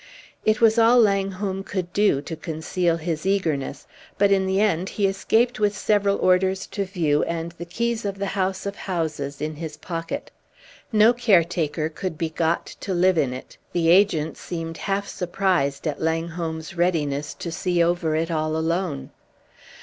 It was all Langholm could do to conceal his eagerness, but in the end he escaped with several orders to view, and the keys of the house of houses in his pocket. No caretaker could be got to live in it; the agent seemed half surprised at Langholm's readiness to see over it all alone.